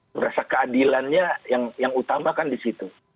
merasa keadilannya yang utamakan di situ